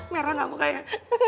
merah kamu kayak